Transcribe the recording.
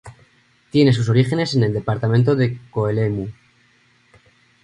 Tiene sus orígenes en el Departamento de Coelemu.